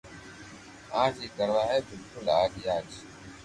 اج ھي ڪروا ھي بلڪل آج ھي آج